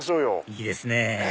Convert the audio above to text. いいですね